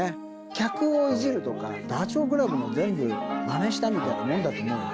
客をいじるとか、ダチョウ倶楽部の全部まねしたみたいなもんだったね。